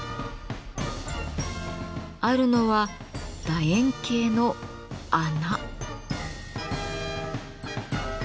あるのは楕円形の穴。